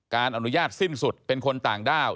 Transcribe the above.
อนุญาตสิ้นสุดเป็นคนต่างด้าว